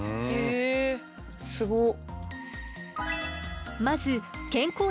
えすごっ！